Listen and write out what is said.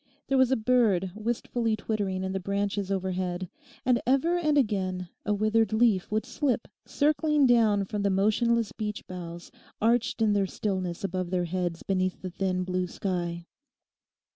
There was a bird wistfully twittering in the branches overhead, and ever and again a withered leaf would slip circling down from the motionless beech boughs arched in their stillness above their heads beneath the thin blue sky.